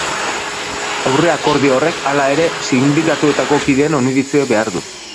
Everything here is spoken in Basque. Aurreakordio horrek, hala ere, sindikatuetako kideen oniritzia behar du.